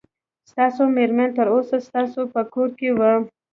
ستاسو مېرمن تر اوسه ستاسو په کور کې وه.